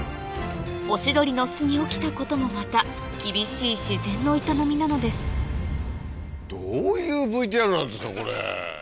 オシドリの巣に起きたこともまた厳しい自然の営みなのですどういうＶＴＲなんですかこれ。